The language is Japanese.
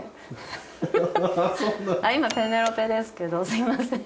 すいません。